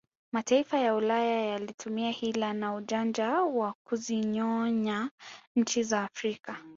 Mataifa ya ulaya yalitumia Hila na ujanja wa kuzinyonya nchi za Afrika